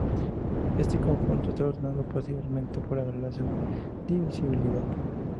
Este conjunto está ordenado parcialmente por la relación de divisibilidad.